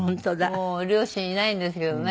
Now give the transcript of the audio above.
もう両親いないんですけどね。